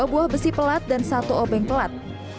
dua buah besi pelat dan satu obeng pelat